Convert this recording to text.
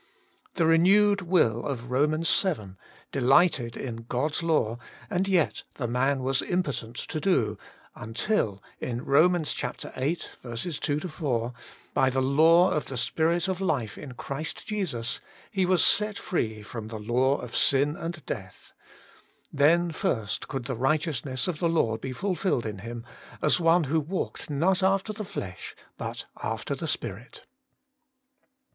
The renewed will of Romans vii. delighted in God's law, and yet the man was impotent to do, until in Romans viii. 2 4, by the law of the Spirit of life in Christ Jesus, lie was set free from the law of sin and death ; then first could the righteous ness of the lav/ be fulfilled in him, as one who walked not after the flesh but after the Spirit.